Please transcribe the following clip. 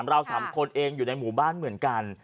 เรา๓คนเองอยู่ในหมู่บ้านเหมือนกัน